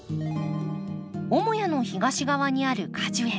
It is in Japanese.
母屋の東側にある果樹園。